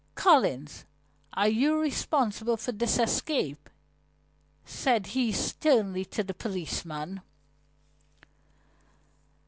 "Collins, you are responsible for this escape," said he sternly to the policeman.